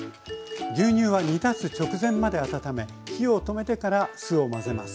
牛乳は煮立つ直前まで温め火を止めてから酢を混ぜます。